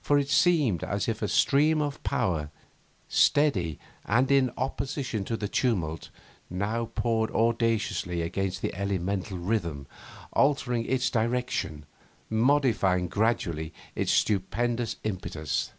For it seemed as if a stream of power, steady and in opposition to the tumult, now poured audaciously against the elemental rhythm, altering its direction, modifying gradually its stupendous impetus.